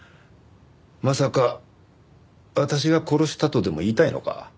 まさか私が殺したとでも言いたいのか？